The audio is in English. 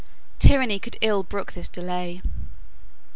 Tyranny could ill brook this delay.